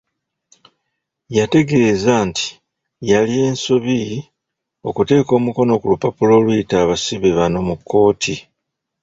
Yategeeza nti yali ensobi okuteeka omukono ku lupapula oluyita abasibe bano mu kkooti.